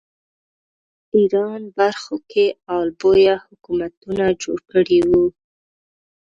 ایران برخو کې آل بویه حکومتونه جوړ کړي وو